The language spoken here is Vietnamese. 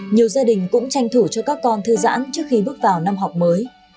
nhiều gia đình cũng tranh thủ cho các con thư giãn trước khi bước vào năm học mới